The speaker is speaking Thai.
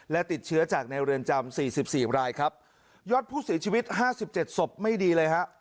และติดเชื้อจากในเรือนจำ๔๔รายครับยอดผู้สีชีวิต๕๗ศพไม่ดีเลยครับ